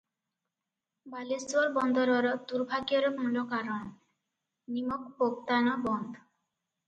ବାଲେଶ୍ୱର ବନ୍ଦରର ଦୁର୍ଭାଗ୍ୟର ମୂଳକାରଣ, ନିମକ ପୋକ୍ତାନ ବନ୍ଦ ।